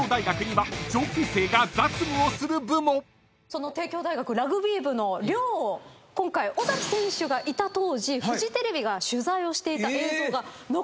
その帝京大学ラグビー部の寮を今回尾選手がいた当時フジテレビが取材をしていた映像が残っていました。